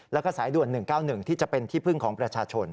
แล้วก็สายด่วน๑๙๑ที่จะเป็นที่พึ่งของประชาชน